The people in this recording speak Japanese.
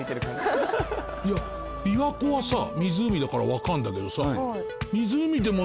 いや琵琶湖はさ湖だからわかるんだけどさ。